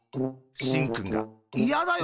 しんくんが「いやだよ。